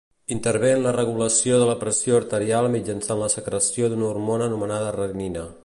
Intervé en la regulació de la pressió arterial mitjançant la secreció d'una hormona anomenada renina.